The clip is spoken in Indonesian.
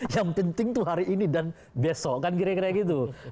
yang penting tuh hari ini dan besok kan kira kira gitu